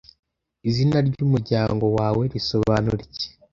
Izina ry'umuryango wawe risobanura iki